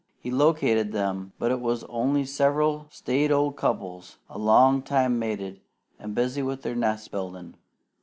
He located them, but it was only several staid old couples, a long time mated, and busy with their nest building.